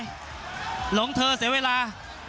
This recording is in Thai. หลวงเธอเสียเวลา